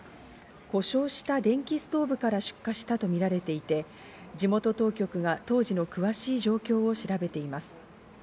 故障した電気ストーブから出火したとみられていて、地元当局が当時の詳しい状況を調べています。